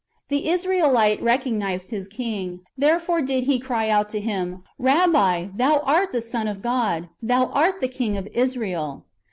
^ The Israelite recognised his King, therefore did he cry out to Him, " Eabbi, Thou art the Son of God, Thou art the King of Israel."